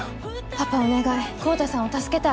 パパお願い昂太さんを助けてあげて。